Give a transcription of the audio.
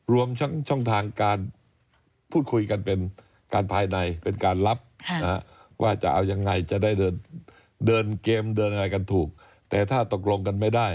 รวมฉ่องทางพูดคุยการภายในเป็นการรับ